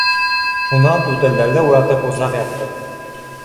Шунан түтәлдәрҙе уратып усаҡ яҡтыҡ.